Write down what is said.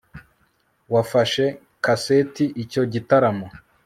wafashe kaseti icyo gitaramo